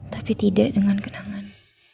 tapi tidak dengan kenangan